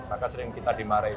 maka sering kita dimarahin